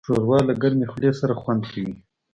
ښوروا له ګرمې خولې سره خوند کوي.